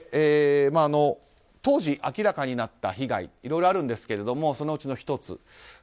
当時、明らかになった被害はいろいろあるんですがそのうちの１つ。